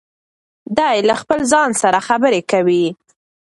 دی له خپل ځان سره خبرې کوي.